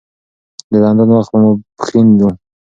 د لندن وخت په ماپښین و.